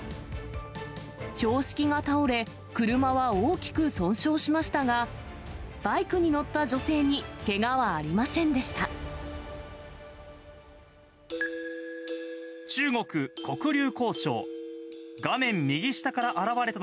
標識が倒れ、車は大きく損傷しましたが、バイクに乗った女性にけがはありませんでした。